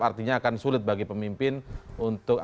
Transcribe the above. artinya akan sulit bagi pemimpin untuk